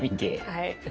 はい。